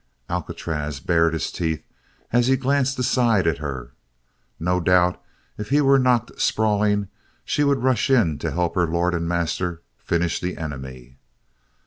Alcatraz bared his teeth as he glanced aside at her. No doubt if he were knocked sprawling she would rush in to help her lord and master finish the enemy.